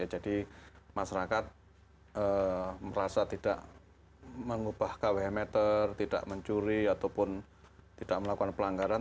jadi masyarakat merasa tidak mengubah kwh meter tidak mencuri ataupun tidak melakukan pelanggaran